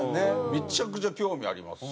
めちゃくちゃ興味ありますし。